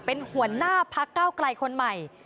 เป็นหัวหน้าพักเก้าไกลคนใหม่